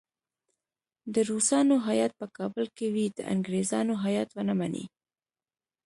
د روسانو هیات په کابل کې وي د انګریزانو هیات ونه مني.